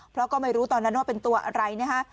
เพราะก็ไม่รู้ตอนนั้นว่าเป็นตัวอะไรนะฮะ